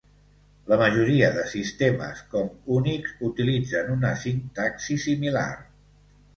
La majoria de sistemes com Unix utilitzen una sintaxi similar.